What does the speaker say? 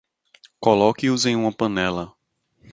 Coloque-os em uma panela.